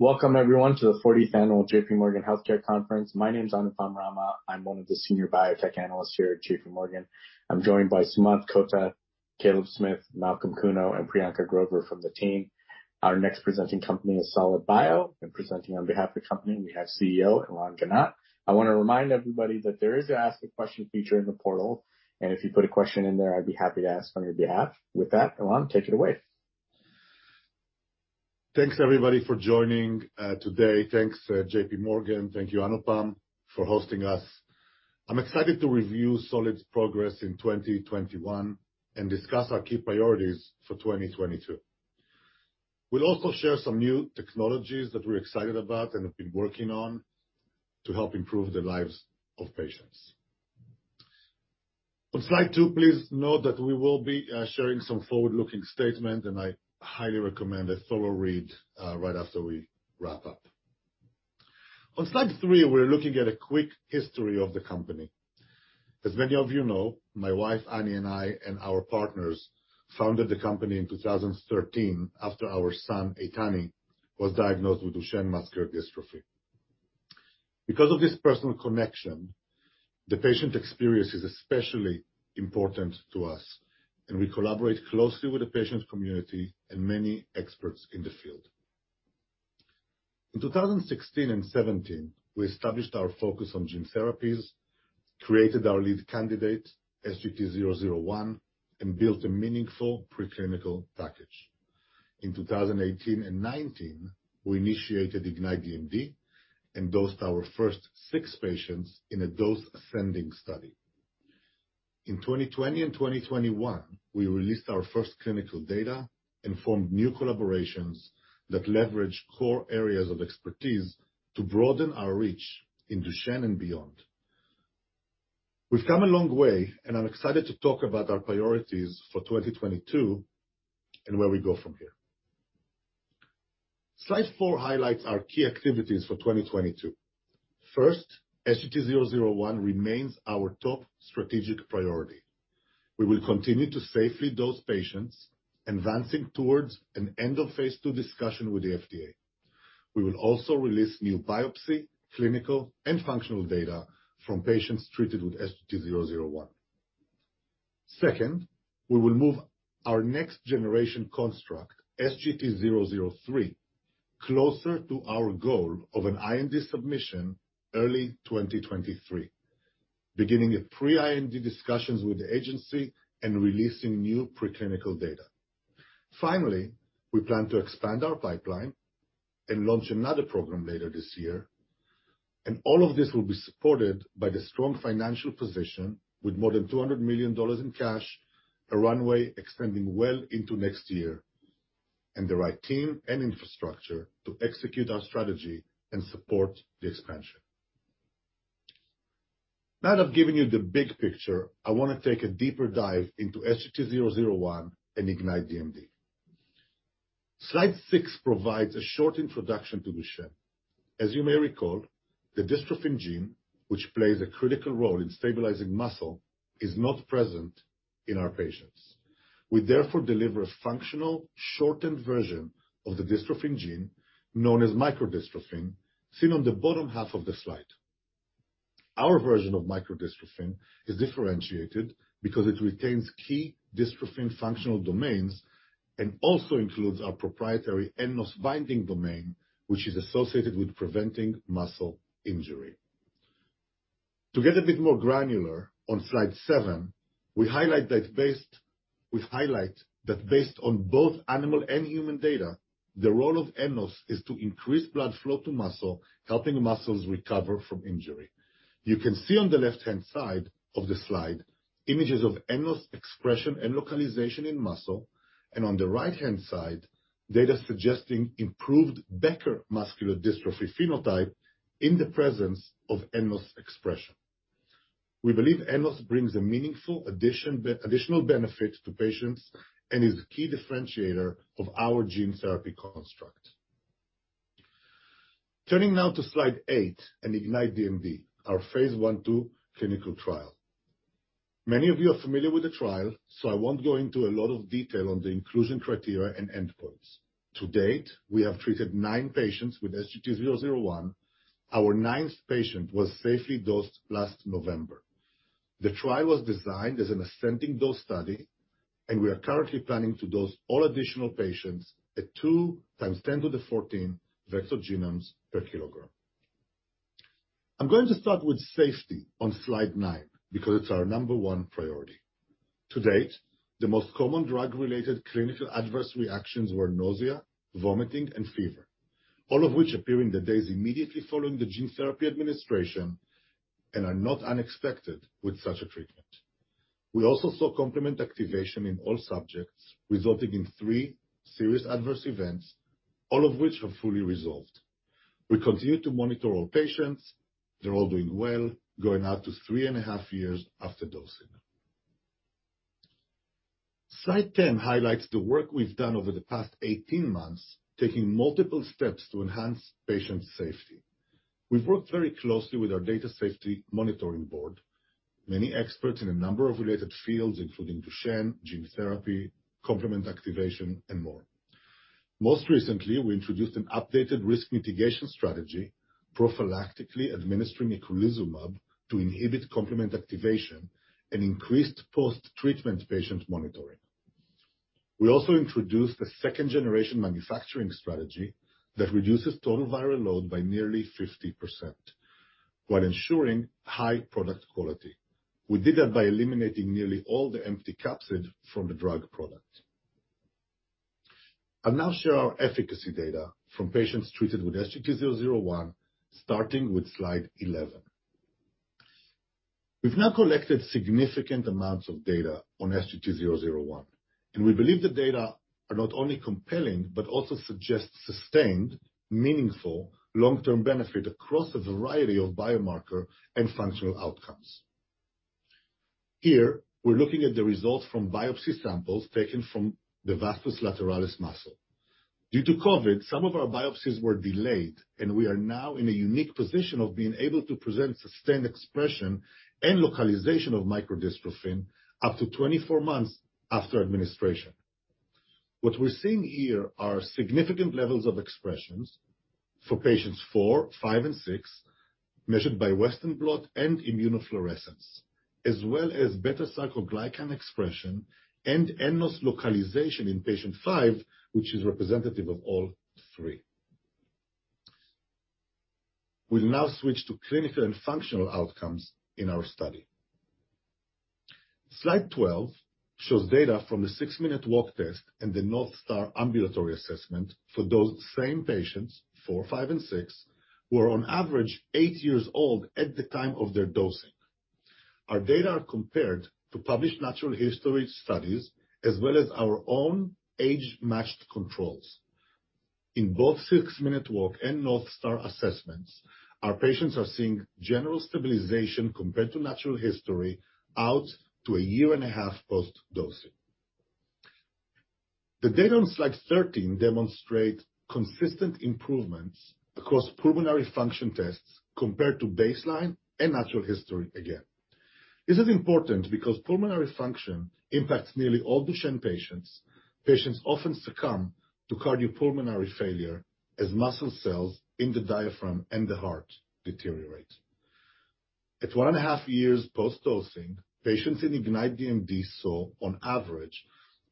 Welcome everyone to the 40th annual J.P. Morgan Healthcare Conference. My name is Anupam Rama. I'm one of the senior biotech analysts here at J.P. Morgan. I'm joined by Sumanth Kotha, Caleb Smith, Malcolm Cuno, and Priyanka Grover from the team. Our next presenting company is Solid Biosciences, and presenting on behalf of the company, we have CEO Ilan Ganot. I wanna remind everybody that there is an ask a question feature in the portal, and if you put a question in there, I'd be happy to ask on your behalf. With that, Ilan, take it away. Thanks everybody for joining today. Thanks, J.P. Morgan. Thank you, Anupam, for hosting us. I'm excited to review Solid's progress in 2021 and discuss our key priorities for 2022. We'll also share some new technologies that we're excited about and have been working on to help improve the lives of patients. On slide two, please note that we will be sharing some forward-looking statement, and I highly recommend a thorough read right after we wrap up. On slide three, we're looking at a quick history of the company. As many of you know, my wife, Annie, and I, and our partners founded the company in 2013 after our son, Eytani, was diagnosed with Duchenne muscular dystrophy. Because of this personal connection, the patient experience is especially important to us, and we collaborate closely with the patient community and many experts in the field. In 2016 and 2017, we established our focus on gene therapies, created our lead candidate, SGT-001, and built a meaningful preclinical package. In 2018 and 2019, we initiated IGNITE DMD and dosed our first six patients in a dose-ascending study. In 2020 and 2021, we released our first clinical data and formed new collaborations that leverage core areas of expertise to broaden our reach in Duchenne and beyond. We've come a long way, and I'm excited to talk about our priorities for 2022 and where we go from here. Slide four highlights our key activities for 2022. First, SGT-001 remains our top strategic priority. We will continue to safely dose patients, advancing towards an end of phase II discussion with the FDA. We will also release new biopsy, clinical, and functional data from patients treated with SGT-001. Second, we will move our next generation construct, SGT-003, closer to our goal of an IND submission early 2023, beginning a pre-IND discussions with the agency and releasing new preclinical data. Finally, we plan to expand our pipeline and launch another program later this year, and all of this will be supported by the strong financial position with more than $200 million in cash, a runway extending well into next year, and the right team and infrastructure to execute our strategy and support the expansion. Now that I've given you the big picture, I wanna take a deeper dive into SGT-001 and IGNITE DMD. Slide six provides a short introduction to Duchenne. As you may recall, the dystrophin gene, which plays a critical role in stabilizing muscle, is not present in our patients. We therefore deliver a functional shortened version of the dystrophin gene known as microdystrophin, seen on the bottom half of the slide. Our version of microdystrophin is differentiated because it retains key dystrophin functional domains and also includes our proprietary nNOS binding domain, which is associated with preventing muscle injury. To get a bit more granular, on slide seven, we highlight that based on both animal and human data, the role of nNOS is to increase blood flow to muscle, helping muscles recover from injury. You can see on the left-hand side of the slide images of nNOS expression and localization in muscle, and on the right-hand side, data suggesting improved Becker muscular dystrophy phenotype in the presence of nNOS expression. We believe nNOS brings a meaningful additional benefits to patients and is a key differentiator of our gene therapy construct. Turning now to slide eight and IGNITE DMD, our phase I/II clinical trial. Many of you are familiar with the trial, so I won't go into a lot of detail on the inclusion criteria and endpoints. To date, we have treated nine patients with SGT-001. Our 9th patient was safely dosed last November. The trial was designed as an ascending dose study, and we are currently planning to dose all additional patients at 2 × 10^{14} vector genomes per kilogram. I'm going to start with safety on slide nine because it's our number one priority. To date, the most common drug-related clinical adverse reactions were nausea, vomiting, and fever. All of which appear in the days immediately following the gene therapy administration and are not unexpected with such a treatment. We also saw complement activation in all subjects, resulting in three serious adverse events, all of which have fully resolved. We continue to monitor all patients. They're all doing well, going out to three and a half years after dosing. Slide 10 highlights the work we've done over the past 18 months, taking multiple steps to enhance patient safety. We've worked very closely with our Data Safety Monitoring Board, many experts in a number of related fields, including Duchenne, gene therapy, complement activation, and more. Most recently, we introduced an updated risk mitigation strategy, prophylactically administering eculizumab to inhibit complement activation and increased post-treatment patient monitoring. We also introduced a second-generation manufacturing strategy that reduces total viral load by nearly 50% while ensuring high product quality. We did that by eliminating nearly all the empty capsid from the drug product. I'll now share our efficacy data from patients treated with SGT-001, starting with slide 11. We've now collected significant amounts of data on SGT-001, and we believe the data are not only compelling but also suggest sustained, meaningful long-term benefit across a variety of biomarker and functional outcomes. Here, we're looking at the results from biopsy samples taken from the vastus lateralis muscle. Due to COVID, some of our biopsies were delayed, and we are now in a unique position of being able to present sustained expression and localization of microdystrophin up to 24 months after administration. What we're seeing here are significant levels of expressions for patients four, five, and sixmeasured by Western blot and immunofluorescence, as well as Beta-sarcoglycan expression and nNOS localization in patient five, which is representative of all three. We'll now switch to clinical and functional outcomes in our study. Slide 12 shows data from the six-minute walk test and the North Star Ambulatory Assessment for those same patients four, five, and six, who are on average 8 years old at the time of their dosing. Our data are compared to published natural history studies as well as our own age-matched controls. In both six-minute walk and North Star assessments, our patients are seeing general stabilization compared to natural history out to a year and a half post-dosing. The data on slide 13 demonstrate consistent improvements across pulmonary function tests compared to baseline and natural history again. This is important because pulmonary function impacts nearly all Duchenne patients. Patients often succumb to cardiopulmonary failure as muscle cells in the diaphragm and the heart deteriorate. At 1.5 years post-dosing, patients in IGNITE DMD saw on average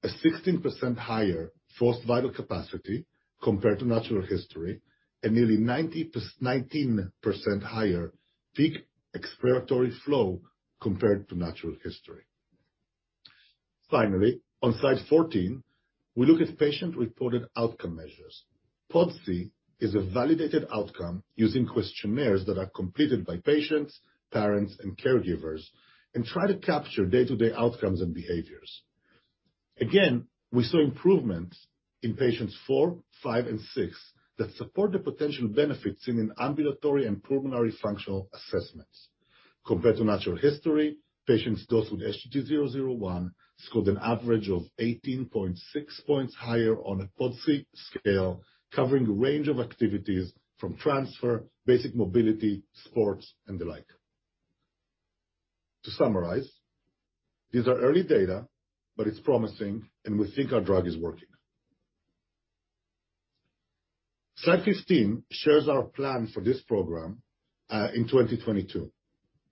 a 16% higher forced vital capacity compared to natural history and 19% higher peak expiratory flow compared to natural history. On slide 14, we look at patient-reported outcome measures. PODCI is a validated outcome using questionnaires that are completed by patients, parents, and caregivers and try to capture day-to-day outcomes and behaviors. We saw improvements in patientsfour, five, and six that support the potential benefits in ambulatory and pulmonary functional assessments. Compared to natural history, patients dosed with SGT-001 scored an average of 18.6 points higher on a PODCI scale, covering a range of activities from transfer, basic mobility, sports, and the like. To summarize, these are early data, but it's promising, and we think our drug is working. Slide 15 shares our plan for this program in 2022.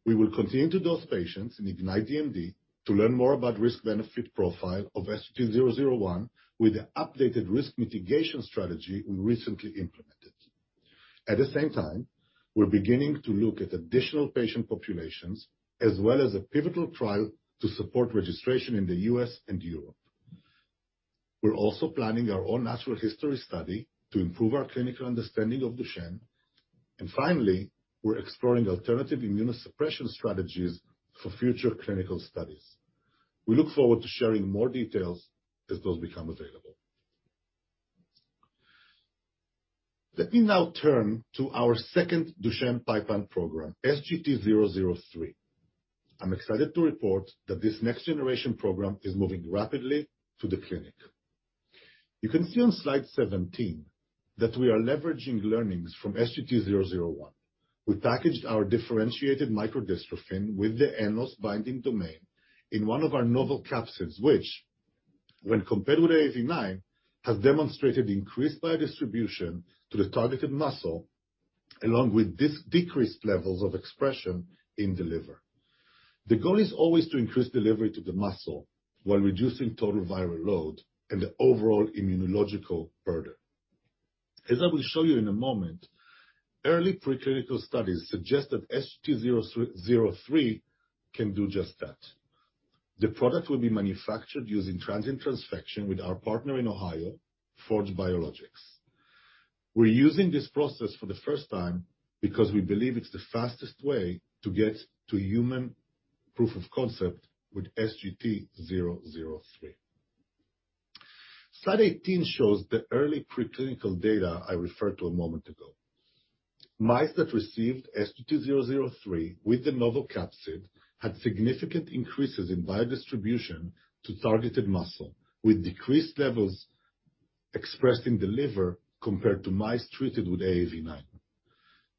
We will continue to dose patients in IGNITE DMD to learn more about risk-benefit profile of SGT-001 with the updated risk mitigation strategy we recently implemented. At the same time, we're beginning to look at additional patient populations as well as a pivotal trial to support registration in the U.S. and Europe. We're also planning our own natural history study to improve our clinical understanding of Duchenne. Finally, we're exploring alternative immunosuppression strategies for future clinical studies. We look forward to sharing more details as those become available. Let me now turn to our second Duchenne pipeline program, SGT-003. I'm excited to report that this next-generation program is moving rapidly to the clinic. You can see on slide 17 that we are leveraging learnings from SGT-001. We packaged our differentiated microdystrophin with the nNOS-binding domain in one of our novel capsids which, when compared with AAV9, has demonstrated increased biodistribution to the targeted muscle, along with decreased levels of expression in the liver. The goal is always to increase delivery to the muscle while reducing total viral load and the overall immunological burden. As I will show you in a moment, early preclinical studies suggest that SGT-003 can do just that. The product will be manufactured using transient transfection with our partner in Ohio, Forge Biologics. We're using this process for the first time because we believe it's the fastest way to get to human proof of concept with SGT-003. Slide 18 shows the early preclinical data I referred to a moment ago. Mice that received SGT-003 with the novel capsid had significant increases in biodistribution to targeted muscle with decreased levels of expression in the liver compared to mice treated with AAV9.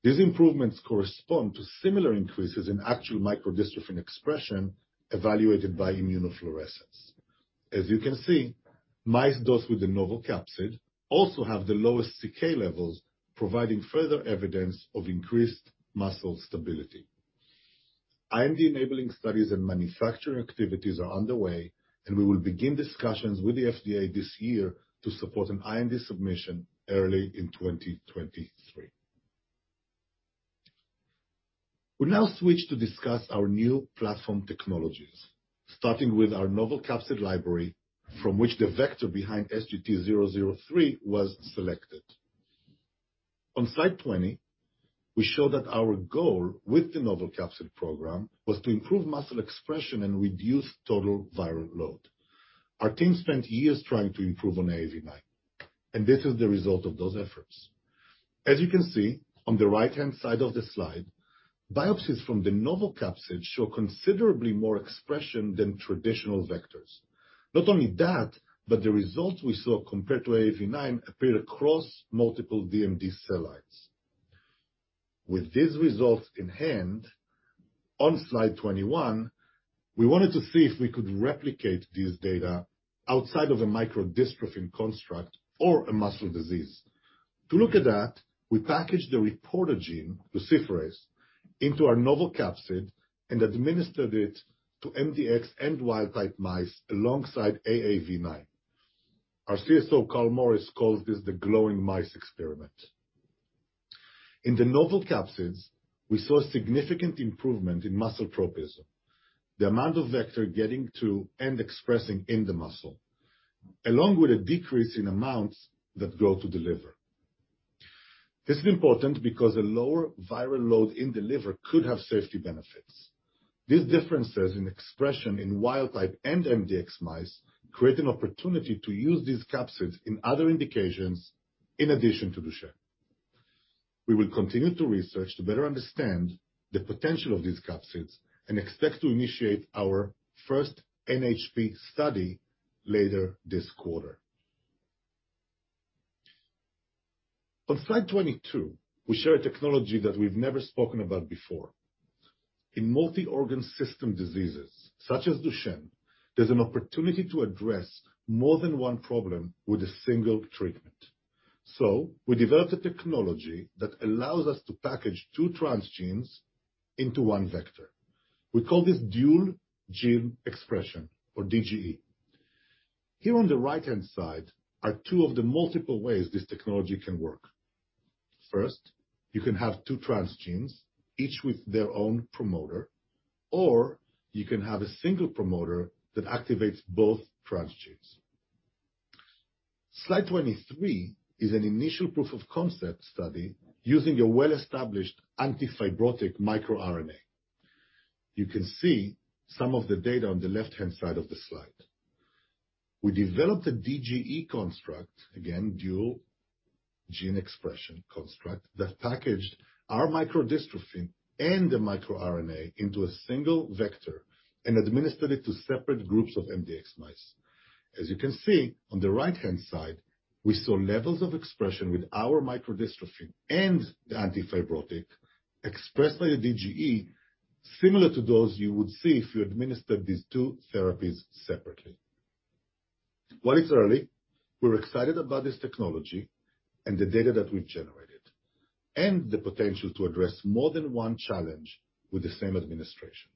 These improvements correspond to similar increases in actual microdystrophin expression evaluated by immunofluorescence. As you can see, mice dosed with the novel capsid also have the lowest CK levels, providing further evidence of increased muscle stability. IND-enabling studies and manufacturing activities are underway, and we will begin discussions with the FDA this year to support an IND submission early in 2023. We now switch to discuss our new platform technologies, starting with our novel capsid library, from which the vector behind SGT-003 was selected. On slide 20, we show that our goal with the novel capsid program was to improve muscle expression and reduce total viral load. Our team spent years trying to improve on AAV9, and this is the result of those efforts. As you can see on the right-hand side of the slide, biopsies from the novel capsid show considerably more expression than traditional vectors. Not only that, but the results we saw compared to AAV9 appeared across multiple DMD cell lines. With these results in hand, on slide 21, we wanted to see if we could replicate these data outside of a microdystrophin construct or a muscle disease. To look at that, we packaged the reporter gene, luciferase, into our novel capsid and administered it to MDX and wild type mice alongside AAV9. Our CSO, Carl Morris, calls this the glowing mice experiment. In the novel capsids, we saw significant improvement in muscle tropism, the amount of vector getting to and expressing in the muscle, along with a decrease in amounts that go to the liver. This is important because a lower viral load in the liver could have safety benefits. These differences in expression in wild type and MDX mice create an opportunity to use these capsids in other indications in addition to Duchenne. We will continue to research to better understand the potential of these capsids and expect to initiate our first NHP study later this quarter. On slide 22, we share a technology that we've never spoken about before. In multi-organ system diseases such as Duchenne, there's an opportunity to address more than one problem with a single treatment. We developed a technology that allows us to package two transgenes into one vector. We call this dual gene expression, or DGE. Here on the right-hand side are two of the multiple ways this technology can work. First, you can have two transgenes, each with their own promoter, or you can have a single promoter that activates both transgenes. Slide 23 is an initial proof of concept study using a well-established anti-fibrotic microRNA. You can see some of the data on the left-hand side of the slide. We developed a DGE construct, again, dual gene expression construct, that packaged our microdystrophin and the microRNA into a single vector and administered it to separate groups of MDX mice. As you can see on the right-hand side, we saw levels of expression with our microdystrophin and the anti-fibrotic expressed by the DGE, similar to those you would see if you administered these two therapies separately. While it's early, we're excited about this technology and the data that we've generated, and the potential to address more than one challenge with the same administration.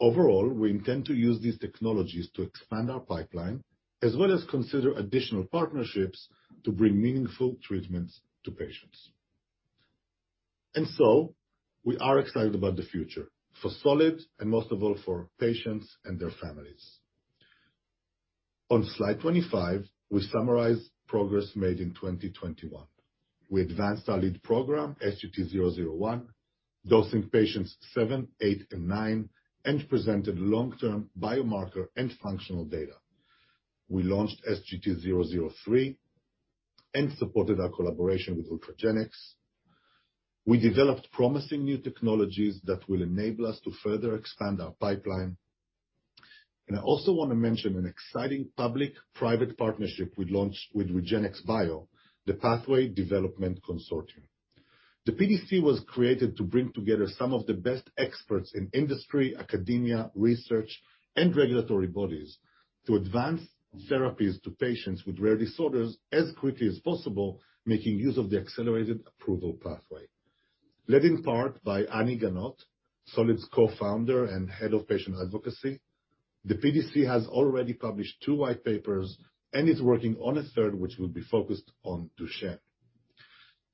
Overall, we intend to use these technologies to expand our pipeline, as well as consider additional partnerships to bring meaningful treatments to patients. We are excited about the future for Solid, and most of all for patients and their families. On slide 25, we summarize progress made in 2021. We advanced our lead program, SGT-001, dosing patients seven, eight, and nine, and presented long-term biomarker and functional data. We launched SGT-003 and supported our collaboration with Ultragenyx. We developed promising new technologies that will enable us to further expand our pipeline. I also want to mention an exciting public-private partnership we launched with REGENXBIO, the Pathway Development Consortium. The PDC was created to bring together some of the best experts in industry, academia, research, and regulatory bodies to advance therapies to patients with rare disorders as quickly as possible, making use of the accelerated approval pathway. Led in part by Annie Ganot, Solid's co-founder and head of patient advocacy, the PDC has already published two white papers and is working on a third, which will be focused on Duchenne.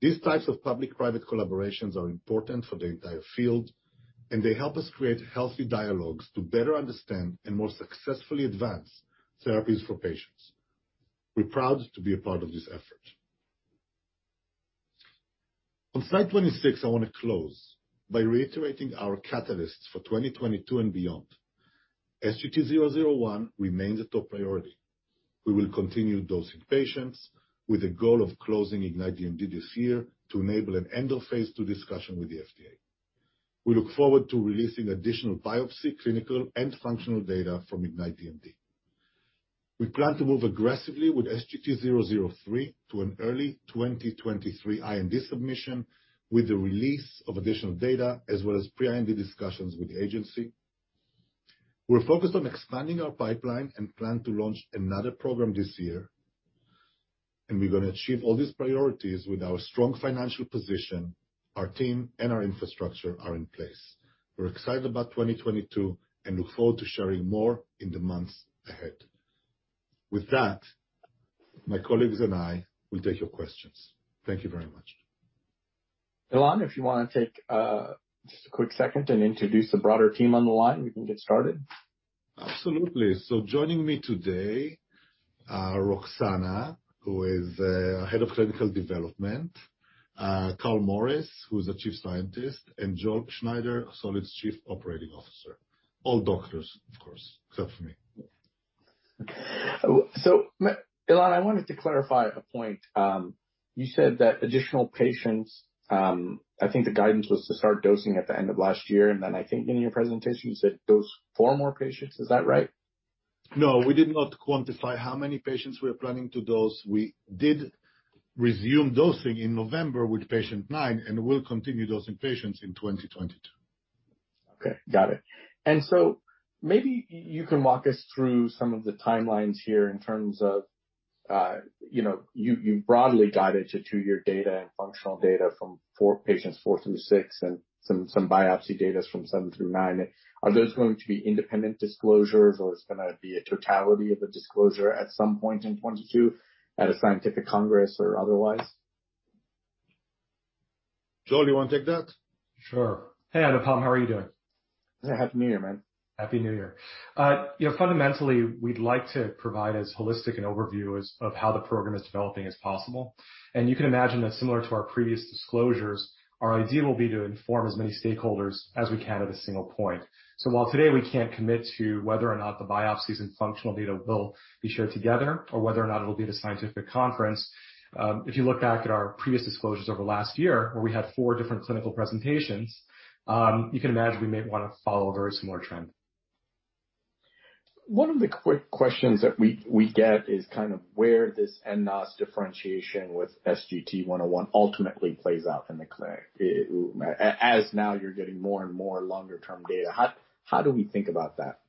These types of public-private collaborations are important for the entire field, and they help us create healthy dialogues to better understand and more successfully advance therapies for patients. We're proud to be a part of this effort. On slide 26, I want to close by reiterating our catalysts for 2022 and beyond. SGT-001 remains a top priority. We will continue dosing patients with a goal of closing IGNITE DMD this year to enable an end-of-phase II discussion with the FDA. We look forward to releasing additional biopsy, clinical, and functional data from IGNITE DMD. We plan to move aggressively with SGT-003 to an early 2023 IND submission with the release of additional data, as well as pre-IND discussions with the agency. We're focused on expanding our pipeline and plan to launch another program this year, and we're gonna achieve all these priorities with our strong financial position, our team, and our infrastructure are in place. We're excited about 2022 and look forward to sharing more in the months ahead. With that, my colleagues and I will take your questions. Thank you very much. Ilan, if you wanna take just a quick second and introduce the broader team on the line, we can get started. Absolutely. Joining me today are Roxana, who is Head of Clinical Development, Carl Morris, who is the Chief Scientist, and Joel Schneider, Solid's Chief Operating Officer. All doctors, of course, except for me. Ilan, I wanted to clarify a point. You said that additional patients, I think the guidance was to start dosing at the end of last year, and then I think in your presentation you said dose 4 more patients. Is that right? No, we did not quantify how many patients we are planning to dose. We did resume dosing in November with patient 9 and will continue dosing patients in 2022. Okay. Got it. Maybe you can walk us through some of the timelines here in terms of, you know, you broadly guided to two-year data and functional data from four patients, four through six, and some biopsy data from seven to nine. Are those going to be independent disclosures or it's gonna be a totality of a disclosure at some point in 2022 at a scientific congress or otherwise? Joel, you wanna take that? Sure. Hey, Anupam, how are you doing? Happy New Year, man. Happy New Year. You know, fundamentally, we'd like to provide as holistic an overview as of how the program is developing as possible. You can imagine that similar to our previous disclosures, our idea will be to inform as many stakeholders as we can at a single point. While today we can't commit to whether or not the biopsies and functional data will be shared together or whether or not it'll be at a scientific conference, if you look back at our previous disclosures over last year where we had four different clinical presentations, you can imagine we may wanna follow a very similar trend. One of the quick questions that we get is kind of where this nNOS differentiation with SGT-001 ultimately plays out in the clinic. As now you're getting more and more longer-term data, how do we think about that?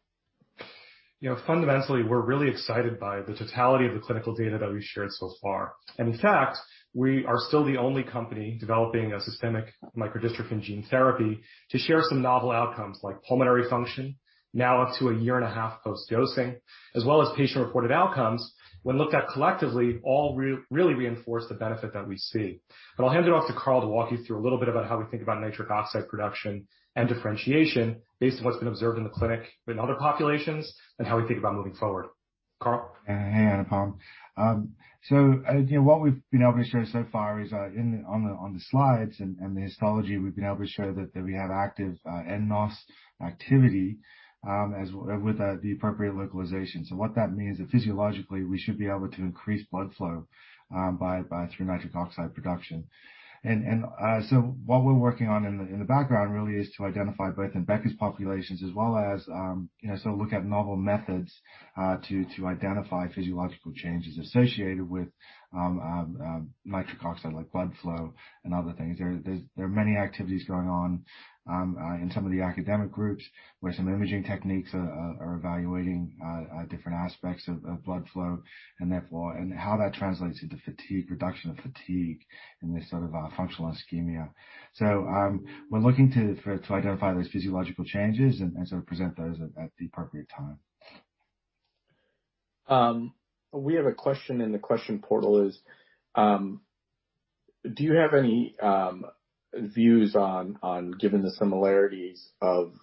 You know, fundamentally, we're really excited by the totality of the clinical data that we've shared so far. In fact, we are still the only company developing a systemic microdystrophin gene therapy to share some novel outcomes like pulmonary function, now up to a year and a half post-dosing, as well as patient-reported outcomes, when looked at collectively, all really reinforce the benefit that we see. I'll hand it off to Carl to walk you through a little bit about how we think about nitric oxide production and differentiation based on what's been observed in the clinic in other populations, and how we think about moving forward. Carl? Hey, Anupam. So you know, what we've been able to show so far is on the slides and the histology, we've been able to show that we have active nNOS activity with the appropriate localization. So what that means is physiologically, we should be able to increase blood flow through nitric oxide production. What we're working on in the background really is to identify both in Becker's populations as well as look at novel methods to identify physiological changes associated with nitric oxide, like blood flow and other things. There are many activities going on in some of the academic groups where some imaging techniques are evaluating different aspects of blood flow and therefore how that translates into fatigue, reduction of fatigue in this sort of functional ischemia. We're looking to identify those physiological changes and sort of present those at the appropriate time. We have a question in the question portal is, do you have any views on, given the similarities of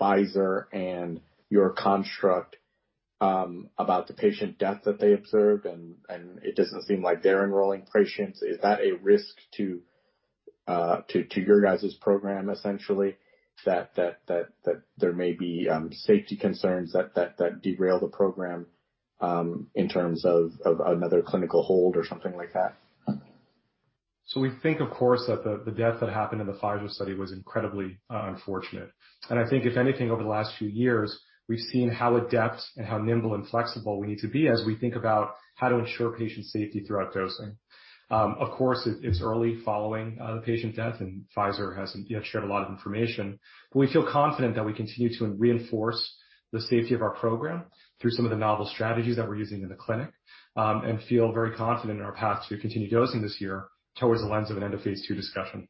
Pfizer and your construct, about the patient death that they observed and it doesn't seem like they're enrolling patients. Is that a risk to your guys' program essentially, that there may be safety concerns that derail the program, in terms of another clinical hold or something like that? We think of course that the death that happened in the Pfizer study was incredibly unfortunate. I think if anything over the last few years, we've seen how adept and how nimble and flexible we need to be as we think about how to ensure patient safety throughout dosing. Of course it's early following the patient death, and Pfizer hasn't yet shared a lot of information. We feel confident that we continue to reinforce the safety of our program through some of the novel strategies that we're using in the clinic, and feel very confident in our path to continue dosing this year towards the lens of an end of phase II discussion.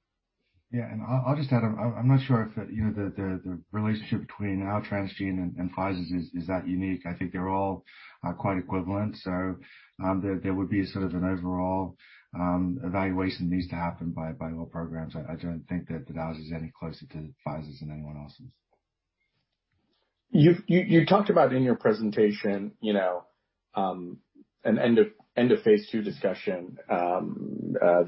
Yeah. I'll just add, I'm not sure if, you know, the relationship between our transgene and Pfizer's is that unique. I think they're all quite equivalent. There would be sort of an overall evaluation needs to happen by all programs. I don't think that the ours is any closer to Pfizer's than anyone else's. You've talked about in your presentation, you know, an end-of-phase-II discussion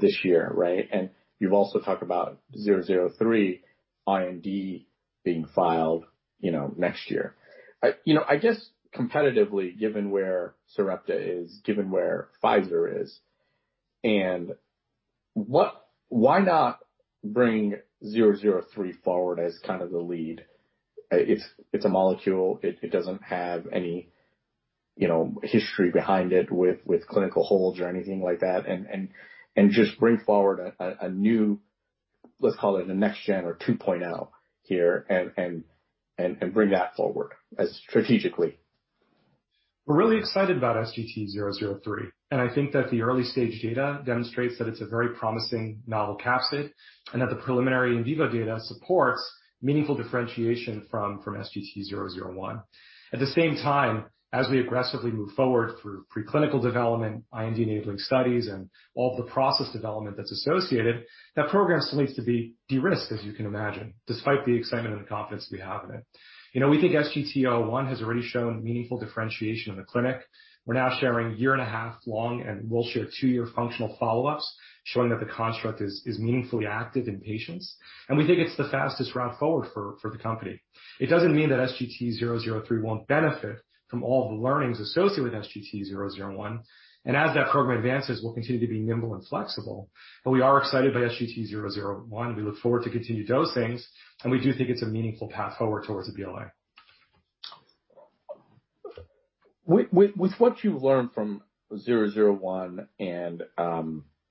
this year, right? You've also talked about zero zero three IND being filed, you know, next year. I just competitively, given where Sarepta is, given where Pfizer is. Why not bring zero zero three forward as kind of the lead? It's a molecule. It doesn't have any, you know, history behind it with clinical holds or anything like that. Just bring forward a new, let's call it a next gen or 2.0 here and bring that forward as strategically. We're really excited about SGT-003, and I think that the early-stage data demonstrates that it's a very promising novel capsid, and that the preliminary in vivo data supports meaningful differentiation from SGT-001. At the same time, as we aggressively move forward through preclinical development, IND-enabling studies and all the process development that's associated, that program still needs to be de-risked, as you can imagine, despite the excitement and the confidence we have in it. You know, we think SGT-001 has already shown meaningful differentiation in the clinic. We're now sharing 1.5-year-long, and we'll share 2-year functional follow-ups showing that the construct is meaningfully active in patients, and we think it's the fastest route forward for the company. It doesn't mean that SGT-003 won't benefit from all the learnings associated with SGT-001, and as that program advances, we'll continue to be nimble and flexible. We are excited by SGT-001. We look forward to continued dosings, and we do think it's a meaningful path forward towards a BLA. With what you've learned from SGT-001 and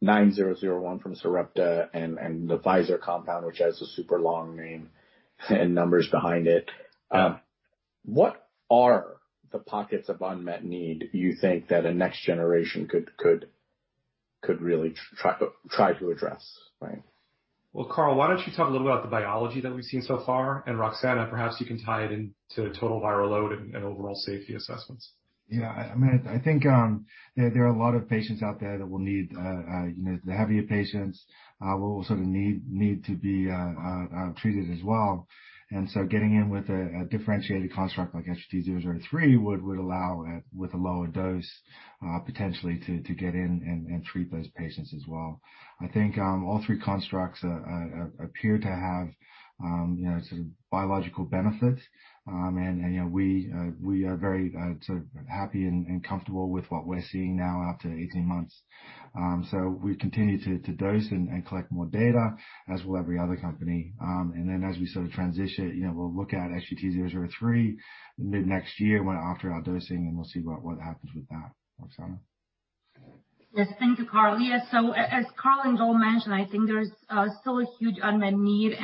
9001 from Sarepta and the Pfizer compound, which has a super long name and numbers behind it, what are the pockets of unmet need you think that a next generation could really try to address, right? Well, Carl, why don't you talk a little about the biology that we've seen so far? Roxana, perhaps you can tie it into total viral load and overall safety assessments. Yeah. I mean, I think there are a lot of patients out there that will need, you know, the heavier patients, will sort of need to be treated as well. Getting in with a differentiated construct like SGT-003 would allow, with a lower dose, potentially to get in and treat those patients as well. I think all three constructs appear to have, you know, sort of biological benefits. You know, we are very sort of happy and comfortable with what we're seeing now after 18 months. We continue to dose and collect more data, as will every other company. Then as we sort of transition, you know, we'll look at SGT-003 mid next year when after our dosing, and we'll see what happens with that. Roxana. Yes. Thank you, Carl. As Carl and Joel mentioned, I think there's still a huge unmet need,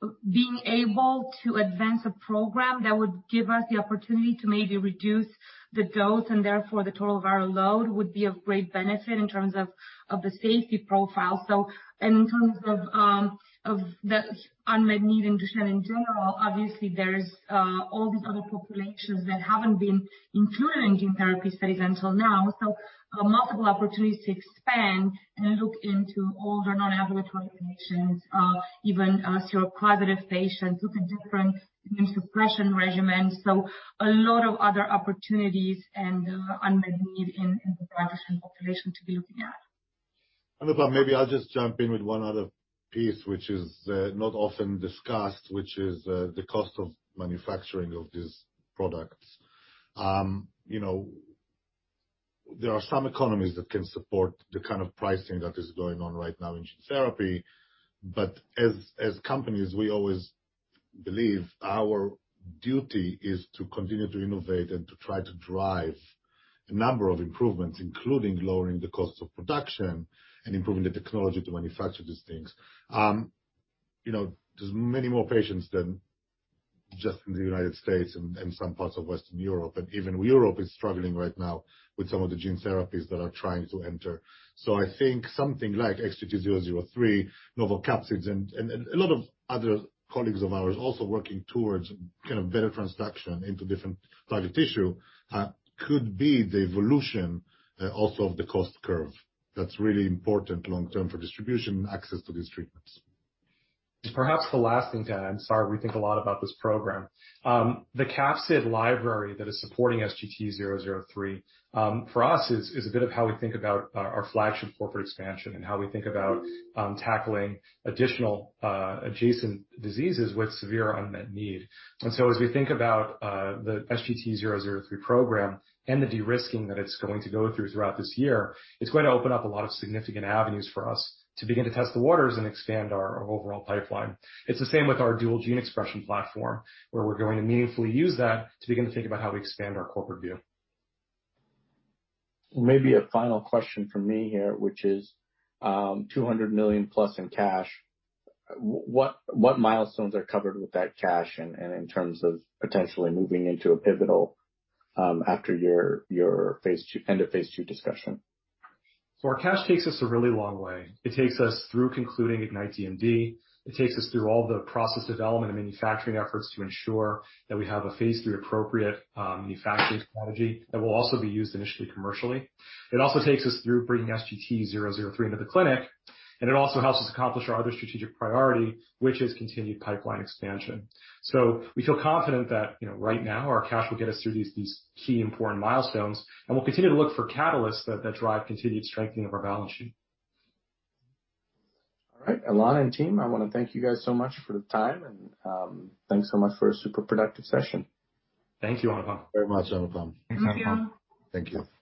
and being able to advance a program that would give us the opportunity to maybe reduce the dose and therefore the total viral load would be of great benefit in terms of the safety profile. In terms of the unmet need in Duchenne in general, obviously there's all these other populations that haven't been included in gene therapy studies until now. Multiple opportunities to expand and look into older non-ambulatory patients, even seropositive patients, look at different immune suppression regimens. A lot of other opportunities and unmet need in the Duchenne population to be looking at. Anupam, maybe I'll just jump in with one other piece, which is not often discussed, which is the cost of manufacturing of these products. You know, there are some economies that can support the kind of pricing that is going on right now in gene therapy. As companies, we always believe our duty is to continue to innovate and to try to drive a number of improvements, including lowering the cost of production and improving the technology to manufacture these things. You know, there's many more patients than just in the United States and some parts of Western Europe, and even Europe is struggling right now with some of the gene therapies that are trying to enter. I think something like SGT-003, novel capsids, and a lot of other colleagues of ours also working towards kind of better transduction into different target tissue could be the evolution also of the cost curve. That's really important long term for distribution and access to these treatments. Perhaps the last thing, Dan. I'm sorry. We think a lot about this program. The capsid library that is supporting SGT-003 for us is a bit of how we think about our flagship corporate expansion and how we think about tackling additional adjacent diseases with severe unmet need. As we think about the SGT-003 program and the de-risking that it's going to go through throughout this year, it's going to open up a lot of significant avenues for us to begin to test the waters and expand our overall pipeline. It's the same with our dual gene expression platform, where we're going to meaningfully use that to begin to think about how we expand our corporate view. Maybe a final question from me here, which is, $200 million plus in cash. What milestones are covered with that cash in terms of potentially moving into a pivotal, after your phase II end-of-phase II discussion? Our cash takes us a really long way. It takes us through concluding IGNITE DMD. It takes us through all the process development and manufacturing efforts to ensure that we have a phase III-appropriate manufacturing strategy that will also be used initially commercially. It also takes us through bringing SGT-003 into the clinic, and it also helps us accomplish our other strategic priority, which is continued pipeline expansion. We feel confident that, you know, right now our cash will get us through these key important milestones, and we'll continue to look for catalysts that drive continued strengthening of our balance sheet. All right. Ilan and team, I wanna thank you guys so much for the time, and, thanks so much for a super productive session. Thank you, Anupam. Very much, Anupam. Thanks, Anupam. Thank you. Thank you.